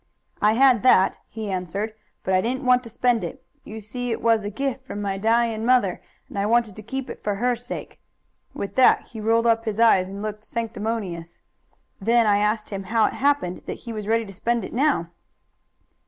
'I had that,' he answered, 'but I didn't want to spend it. You see it was a gift from my dyin' mother, and I wanted to keep it for her sake.' With that he rolled up his eyes and looked sanctimonious. Then I asked him how it happened that he was ready to spend it now."